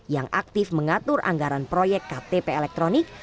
yang aktif mengatur anggaran proyek ktp elektronik